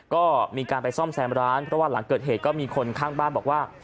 ก็มีการไปซ่อมแซมร้านเพราะว่าหลังเกิดเหตุก็มีคนข้างบ้านบอกว่า